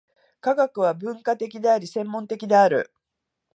科学は分科的であり、専門的である。